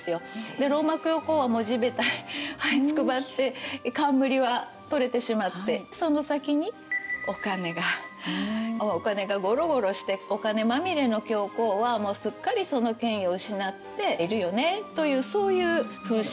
ローマ教皇はもう地べたにはいつくばって冠は取れてしまってその先にお金がお金がゴロゴロしてお金まみれの教皇はもうすっかりその権威を失っているよねというそういう風刺画ですね。